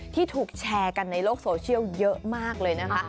ที่ถูกแชร์กันในโลกโซเชียลเยอะมากเลยนะคะ